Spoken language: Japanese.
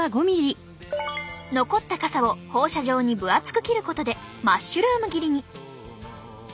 残った傘を放射状に分厚く切ることでマッシュルーム切りに。